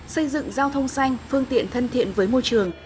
xây dựng giao thông xanh phương tiện thân thiện với môi trường